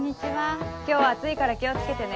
今日は暑いから気を付けてね。